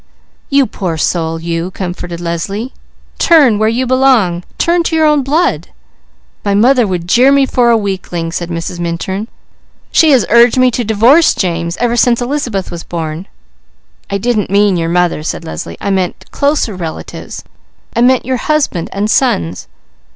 "You poor soul, you!" comforted Leslie. "Turn where you belong! Turn to your own blood!" "My mother would jeer me for a weakling," said Mrs. Minturn. "She has urged me to divorce James, ever since Elizabeth was born." "I didn't mean your mother," said Leslie. "I meant closer relatives, I meant your husband and sons."